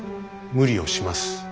無理をします。